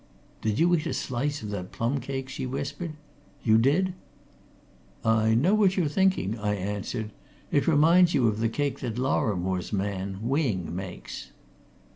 "Did you eat a slice of that plum cake?" she whispered. "You did?" "I know what you're thinking," I answered. "It reminds you of the cake that Lorrimore's man, Wing, makes."